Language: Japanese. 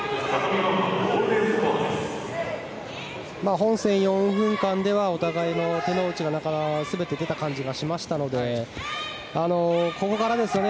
本戦４分間ではお互いの手の内が全て出た感じがしましたのでここからですよね。